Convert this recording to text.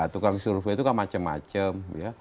tukang survei itu kan macam macam